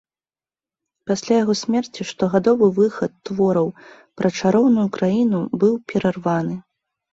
Пасля яго смерці штогадовы выхад твораў пра чароўную краіну быў перарваны.